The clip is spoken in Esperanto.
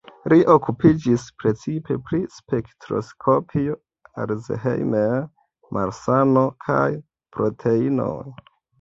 Li okupiĝis precipe pri spektroskopio, Alzheimer-malsano kaj proteinoj.